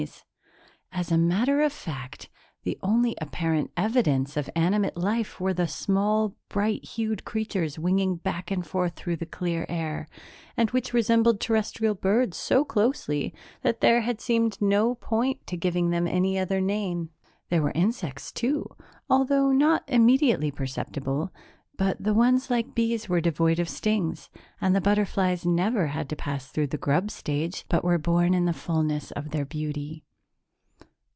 As a matter of fact, the only apparent evidence of animate life were the small, bright hued creatures winging back and forth through the clear air, and which resembled Terrestrial birds so closely that there had seemed no point to giving them any other name. There were insects, too, although not immediately perceptible but the ones like bees were devoid of stings and the butterflies never had to pass through the grub stage but were born in the fullness of their beauty.